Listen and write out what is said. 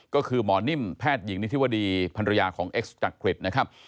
ก็คือหมอนิ่มแพทย์หญิงนิธิวดีภรรยาของเอ็กซ์จักริตนะครับ